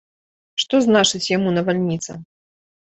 Што значыць яму навальніца?